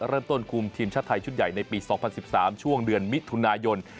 เริ่มต้นคุมทีมชาติไทยชุดใหญ่ในปี๒๐๑๓ช่วงเดือนมิถุนายน